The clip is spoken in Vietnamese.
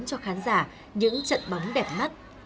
cho khán giả những trận bóng đẹp mắt